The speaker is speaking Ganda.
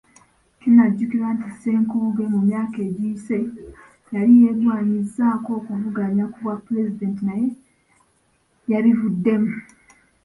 Kinajjukirwa nti Ssenkubuge mu myaka egiyise, yali yeegwanyizaako okuvuganya ku bwapulezidenti naye yabivuddemu.